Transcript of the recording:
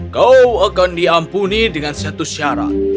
kau akan diampuni dengan satu syarat